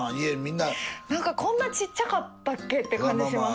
なんかこんなちっちゃかったっけって感じします。